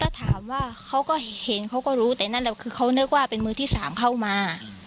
ถ้าถามว่าเขาก็เห็นเขาก็รู้แต่นั่นแหละคือเขานึกว่าเป็นมือที่สามเข้ามา